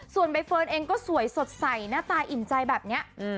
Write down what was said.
ส่วนใบเฟิร์นเองก็สวยสดใสหน้าตาอิ่มใจแบบนี้